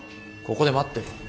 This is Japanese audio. ここで待ってろ。